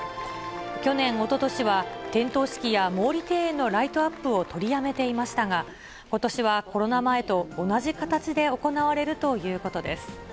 去年、おととしは点灯式や毛利庭園のライトアップを取りやめていましたが、ことしはコロナ前と同じ形で行われるということです。